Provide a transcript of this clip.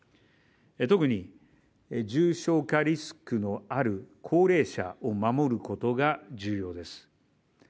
特に重症化リスクのある高齢者を守ることが重要です。